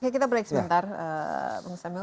kita break sebentar bung samil